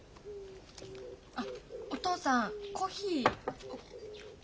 あっお父さんコーヒー。